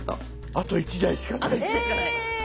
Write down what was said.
あと１台しかない！え！